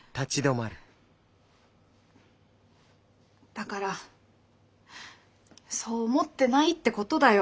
だからそう思ってないってことだよ